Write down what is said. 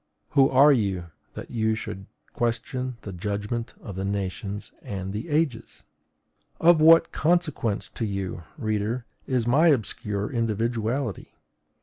Who are you, that you should question the judgment of the nations and the ages? Of what consequence to you, reader, is my obscure individuality?